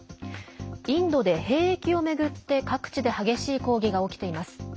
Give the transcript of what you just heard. インドで兵役を巡って各地で激しい抗議が起きています。